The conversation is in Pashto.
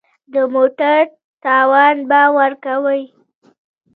د موټر قیمت تاوان به ورکوې.